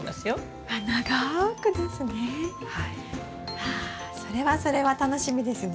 わそれはそれは楽しみですね。